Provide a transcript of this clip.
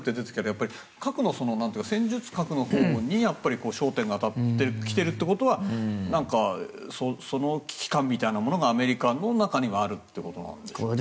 やっぱり戦術核のほうに焦点が当たってきているということはその危機感みたいなものがアメリカの中にはあるということなんでしょうね。